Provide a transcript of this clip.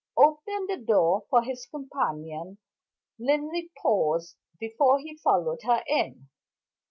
Opening the door for his companion, Linley paused before he followed her in.